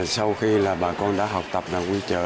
sau khi là bà con đã học tập là quán chợ